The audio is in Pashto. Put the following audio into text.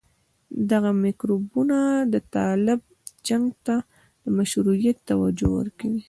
دغه میکروبونه د طالب جنګ ته د مشروعيت توجيه ورکوي.